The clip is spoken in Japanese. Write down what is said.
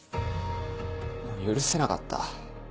もう許せなかった。